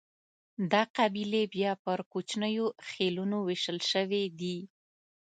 دا قبیلې بیا پر کوچنیو خېلونو وېشل شوې دي.